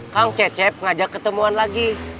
kang cecep ngajak ketemuan lagi